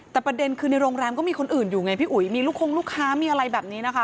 แต่ประเด็นคือในโรงแรมก็มีคนอื่นอยู่ไงพี่อุ๋ยมีลูกคงลูกค้ามีอะไรแบบนี้นะคะ